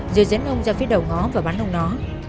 rồi dẫn ông ra phía đầu ngó và bán ông nó